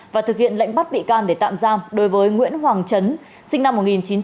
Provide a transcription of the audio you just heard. và thực hiện lệnh bắt bị can để tạm giam đối với nguyễn hoàng trấn sinh năm một nghìn chín trăm chín mươi hai